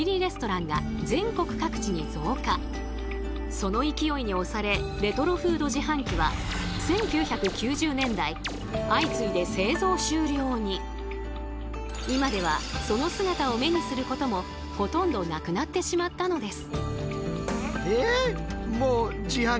その勢いに押されレトロフード自販機は今ではその姿を目にすることもほとんどなくなってしまったのです。